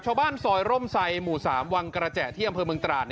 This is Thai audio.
ซอยร่มไซหมู่๓วังกระแจที่อำเภอเมืองตราด